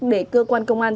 để cơ quan công an